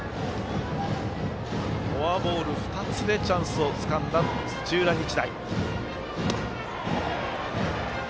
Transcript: フォアボール２つでチャンスをつかんだ、土浦日大。